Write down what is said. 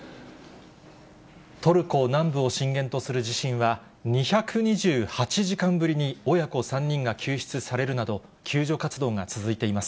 トルコ南部を震源とする地震は、２２８時間ぶりに親子３人が救出されるなど、救助活動が続いています。